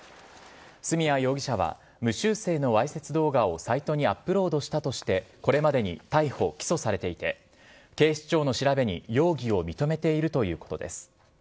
角谷容疑者は、無修正のわいせつ動画をサイトにアップロードしたとして、これまでに逮捕・起訴されていて、警視庁の調べに、容疑を認めているということです。